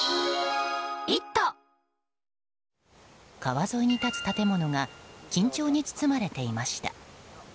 川沿いに立つ建物が緊張に包まれていました。